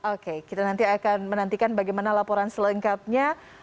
oke kita nanti akan menantikan bagaimana laporan selengkapnya